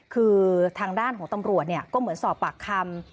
คือทางด้านของตำรวจก็เหมือนสอบปากคำ